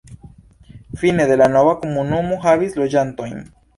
Fine de la nova komunumo havis loĝantojn.